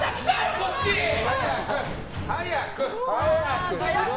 こっちに！早く！